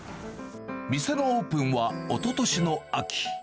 店のオープンはおととしの秋。